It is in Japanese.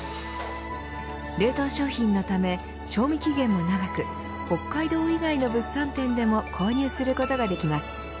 冷凍商品のため賞味期限も長く北海道以外の物産展でも購入することができます。